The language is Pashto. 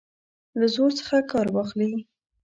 له زور څخه کار واخلي.